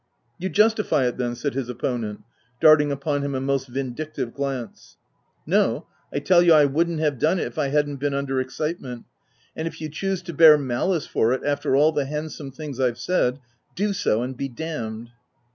"You justify it then?" said his opponent, darting upon him a most vindictive glance. " No, I tell you I wouldn't have done it if I hadn't been under excitement ; and if you choose to bear malice for it, after all the hand some things Pve said — do so and be damned